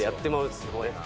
すごいな。